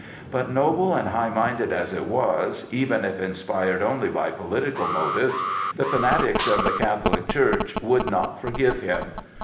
But noble and high minded as it was, even if inspired only by political motives, the fanatics of the Catholic Church would not forgive him.